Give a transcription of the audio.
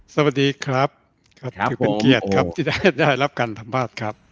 สวัสดีครับครับถือเป็นเกียรติครับที่ได้รับการทำบ้านครับ